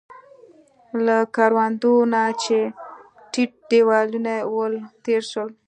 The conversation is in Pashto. له کروندو نه چې ټیټ دیوالونه يې ول، تېر شوو.